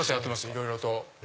いろいろと。